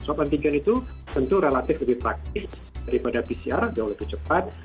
swab antigen itu tentu relatif lebih praktis daripada pcr jauh lebih cepat